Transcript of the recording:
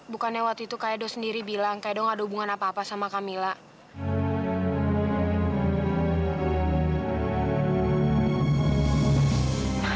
bukannya waktu itu kak edo sendiri bilang kak edo gak ada hubungan apa apa sama kamilah